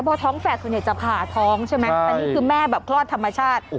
เพราะท้องแฟดค่อนข้างจะผ่าท้องใช่ไหมอันนี้คือแม่แบบคลอดธรรมชาติ